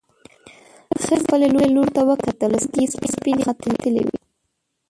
ښځې خپلې لور ته وکتل، سترګې يې سپينې راختلې وې.